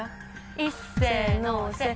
いっせのせっ。